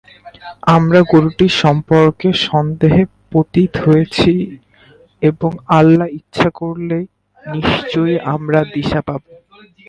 আমরা গরুটি সম্পর্কে সন্দেহে পতিত হয়েছি এবং আল্লাহ ইচ্ছে করলে নিশ্চয়ই আমরা দিশা পাব।